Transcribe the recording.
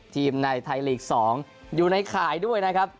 ในไทยลีก๒อยู่ในข่ายด้วยนะครับ